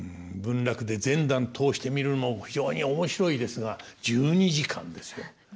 文楽で全段通して見るのも非常に面白いですが１２時間ですよ。